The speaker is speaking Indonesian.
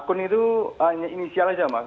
akun itu hanya inisial aja mas